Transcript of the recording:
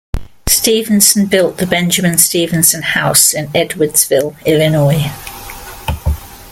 Stephenson built the Benjamin Stephenson House in Edwardsville, Illinois.